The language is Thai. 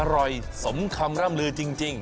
อร่อยสมคำร่ำลือจริง